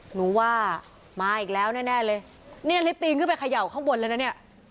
หนูว่ามาอีกแล้วแน่แน่เลยนี่นาริสปีนขึ้นไปเขย่าข้างบนแล้วนะเนี่ย